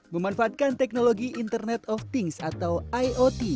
memanfaatkan teknologi internet of things atau iot